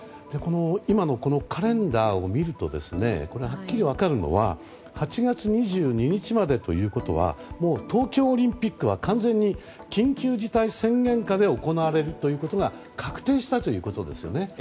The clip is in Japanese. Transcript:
カレンダーを見るとはっきり分かるのは８月２２日までということはもう東京オリンピックは完全に緊急事態宣言下で行われるということが確定したということですよね。